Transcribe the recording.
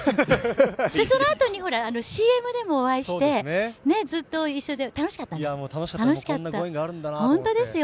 そのあとにＣＭでもお会いしてずっと一緒で楽しかった。